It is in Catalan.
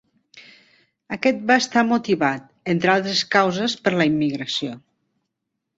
Aquest va estar motivat, entre altres causes, per la immigració.